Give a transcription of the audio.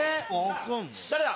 誰だ？